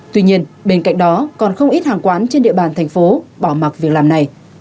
tuy nhiên bên cạnh đó còn không ít hàng quán trên địa bàn thành phố bỏ mặt việc làm này